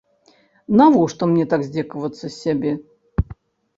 Навошта мне так здзекавацца з сябе?